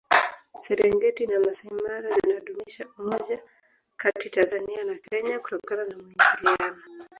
serengeti na masai mara zinadumisha umoja Kati tanzania na kenya kutokana na muingiliano